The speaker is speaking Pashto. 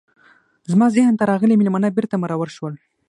زما ذهن ته راغلي میلمانه بیرته مرور شول.